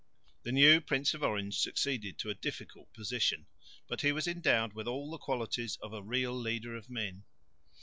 The new Prince of Orange succeeded to a difficult position, but he was endowed with all the qualities of a real leader of men.